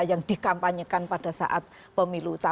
yang dikampanyekan pada saat pemilu